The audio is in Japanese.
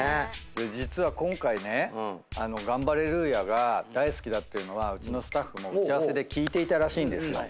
実は今回ねガンバレルーヤが大好きだっていうのはうちのスタッフも打ち合わせで聞いていたらしいんですよ。